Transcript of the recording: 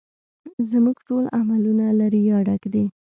زموږ ټول عملونه له ریا ډک دي